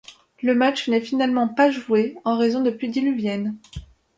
Le match n'est finalement pas joué en raison de pluies diluviennes.